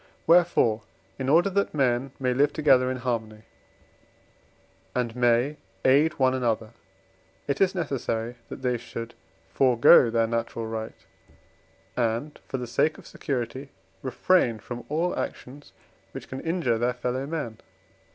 Wherefore, in order that men may live together in harmony, and may aid one another, it is necessary that they should forego their natural right, and, for the sake of security, refrain from all actions which can injure their fellow men.